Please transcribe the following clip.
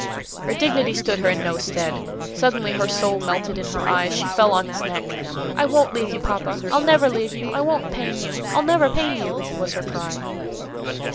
Her dignity stood her in no stead. Suddenly her soul melted in her eyes; she fell on his neck:—"I won't leave you, papa; I'll never leave you. I won't pain you! I'll never pain you!" was her cry.